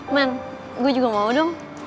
men gua juga mau dong